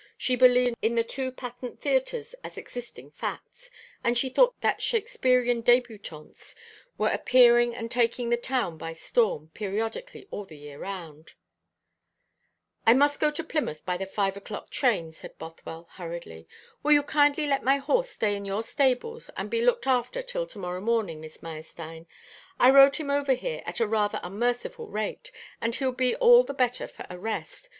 She believed in the two patent theatres as existing facts; and she thought that Shakespearean débutantes were appearing and taking the town by storm periodically all the year round. "I must go to Plymouth by the five o'clock train," said Bothwell hurriedly. "Will you kindly let my horse stay in your stables and be looked after till to morrow morning, Miss Meyerstein? I rode him over here at a rather unmerciful rate, and he'll be all the better for a rest.